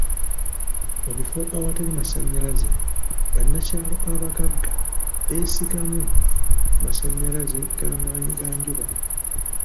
Mu bifo awatali masannyalaze, bannakyalo abagagga beesigamu ku masannyalaze ga maanyi ga njuba.